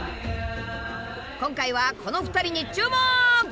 今回はこの２人に注目！